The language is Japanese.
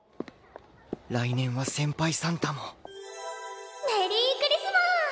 来年は先輩サンタもメリークリスマース！